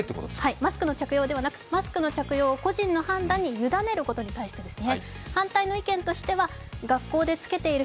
マスクの着用ではなく、マスクの着用を個人の判断に委ねることに対してですね。